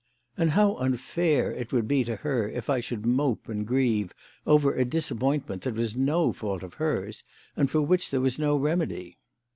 And how unfair it would be to her if I should mope and grieve over a disappointment that was no fault of hers and for which there was no remedy!